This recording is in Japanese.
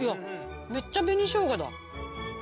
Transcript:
めっちゃ紅しょうがだ。